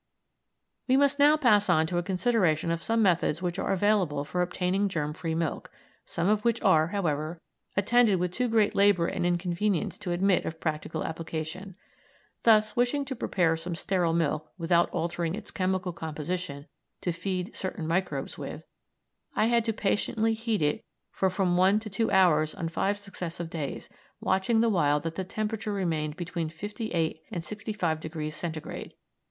We must now pass on to a consideration of some of the methods which are available for obtaining germ free milk, some of which are, however, attended with too great labour and inconvenience to admit of practical application. Thus, wishing to prepare some sterile milk without altering its chemical composition to feed certain microbes with, I had to patiently heat it for from one to two hours on five successive days, watching the while that the temperature remained between 58° and 65° centigrade.